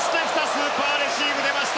スーパーレシーブが出ました！